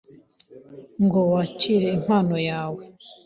ngo wakire iyo mpano yawe.